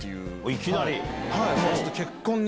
いきなり⁉